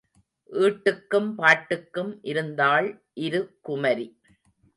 ஈட்டுக்கும் பாட்டுக்கும் இருந்தாள் இரு குமரி.